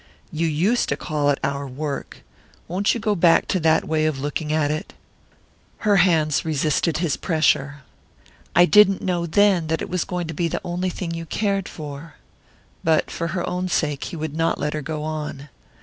"You used to call it our work won't you go back to that way of looking at it?" Her hands resisted his pressure. "I didn't know, then, that it was going to be the only thing you cared for " But for her own sake he would not let her go on.